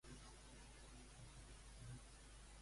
A qui ha encarregat la presència Torra?